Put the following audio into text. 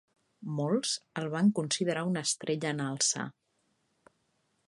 Molts el van considerar una estrella en alça.